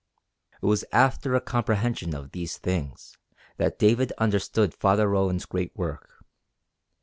It was after a comprehension of these things that David understood Father Roland's great work.